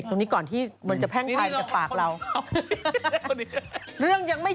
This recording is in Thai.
นะครับมีคนตอนนี้ข่าวดังในโซเชียลก็เป็นไว้นะครับ